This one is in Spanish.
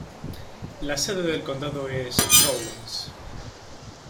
La sede del condado es Rawlins.